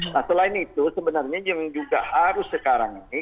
nah selain itu sebenarnya yang juga harus sekarang ini